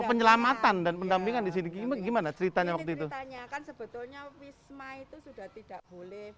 mereka berani bersikap mereka berani bersikap